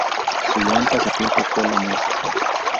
Su gran pasatiempo fue la música.